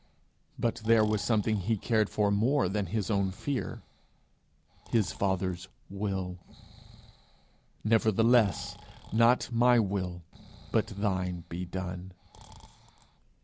But there was something he cared for more than his own fear his Father's will: 'Nevertheless, not my will, but thine be done.'